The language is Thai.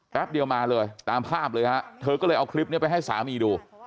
เดียวมาเลยตามภาพเลยฮะเธอก็เลยเอาคลิปนี้ไปให้สามีดู